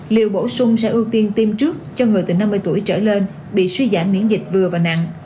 liệu bổ sung sẽ ưu tiên tiêm trước cho người từ năm mươi tuổi trở lên bị suy giảm miễn dịch vừa và nặng